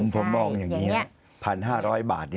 ผมมองอย่างนี้